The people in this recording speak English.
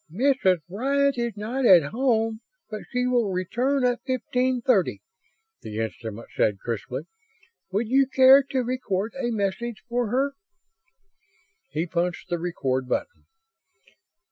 "Mrs. Bryant is not at home, but she will return at fifteen thirty," the instrument said, crisply. "Would you care to record a message for her?" He punched the RECORD button.